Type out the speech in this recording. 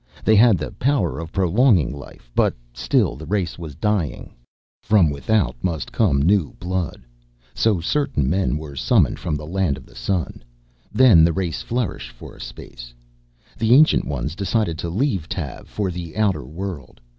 They had the power of prolonging life, but still the race was dying. From without must come new blood. So certain men were summoned from the Land of the Sun. Then the race flourished for a space. "The Ancient Ones decided to leave Tav for the outer world.